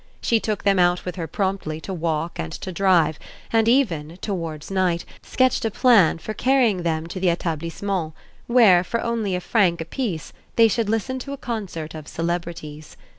She took them out with her promptly to walk and to drive, and even towards night sketched a plan for carrying them to the Etablissement, where, for only a franc apiece, they should listen to a concert of celebrities.